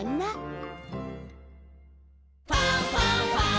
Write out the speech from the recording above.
「ファンファンファン」